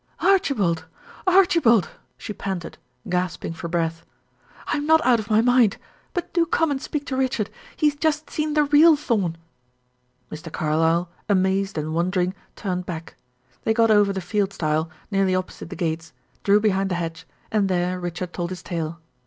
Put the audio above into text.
"Archibald! Archibald!" She panted, gasping for breath. "I am not out of my mind but do come and speak to Richard! He has just seen the real Thorn." Mr. Carlyle, amazed and wondering, turned back. They got over the field stile, nearly opposite the gates, drew behind the hedge, and there Richard told his tale.